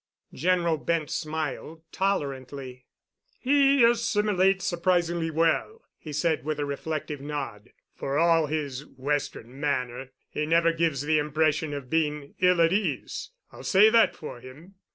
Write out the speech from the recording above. General Bent smiled tolerantly. "He assimilates surprisingly well," he said with a reflective nod. "For all his Western manner, he never gives the impression of being ill at ease. I'll say that for him.